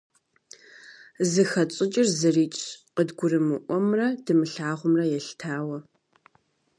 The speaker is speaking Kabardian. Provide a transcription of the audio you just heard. Зыхэтщӏыкӏыр зырикӏщ, къыдгурымыӏуэмрэ дымылъагъумрэ елъытауэ.